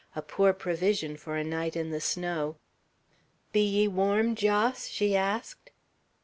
A poor provision for a night in the snow. "Be ye warm, Jos?" she asked.